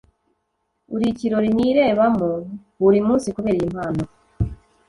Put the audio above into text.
Uri ikirori nirebamo buri munsi kubera iyi mpano